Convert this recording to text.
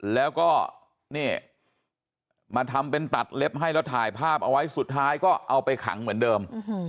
แล้วก็นี่มาทำเป็นตัดเล็บให้แล้วถ่ายภาพเอาไว้สุดท้ายก็เอาไปขังเหมือนเดิม